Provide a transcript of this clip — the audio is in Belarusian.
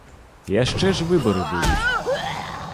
Яшчэ ж выбары будуць.